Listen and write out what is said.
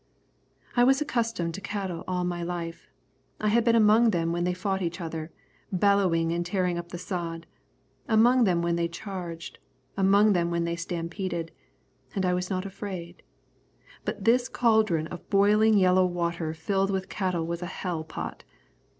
I was accustomed to cattle all my life. I had been among them when they fought each other, bellowing and tearing up the sod; among them when they charged; among them when they stampeded; and I was not afraid. But this caldron of boiling yellow water filled with cattle was a hell pot.